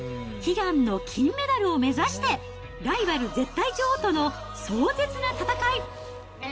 悲願の金メダルを目指して、ライバル絶対女王との壮絶な戦い！